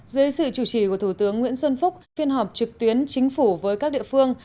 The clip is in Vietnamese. dưới sự chủ trì của thủ tướng nguyễn xuân phúc phiên họp trực tuyến chính phủ với các địa phương